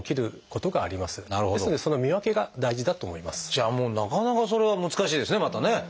じゃあもうなかなかそれは難しいですねまたね。